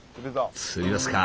釣りますか！